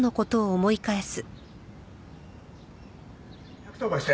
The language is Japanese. １１０番して！